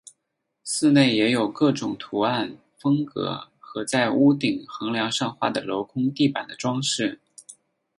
寺内也有各种图案风格和在屋顶横梁上画的镂空地板的装饰。